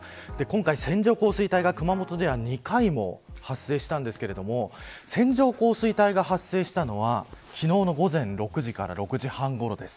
今回、線状降水帯が熊本では２回も発生したんですけれども線状降水帯が発生したのは昨日の午前６時から６時半ごろです。